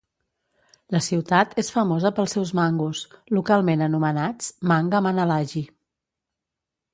La ciutat és famosa pels seus mangos, localment anomenats "mangga manalagi".